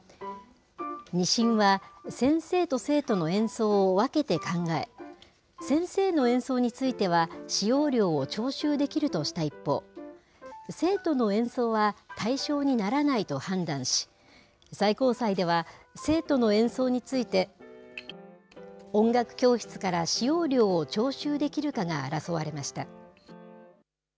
２審は、先生と生徒の演奏を分けて考え、先生の演奏については使用料を徴収できるとした一方、生徒の演奏は対象にならないと判断し、最高裁では、生徒の演奏について、音楽教室から使用料を徴収できるかが争われました。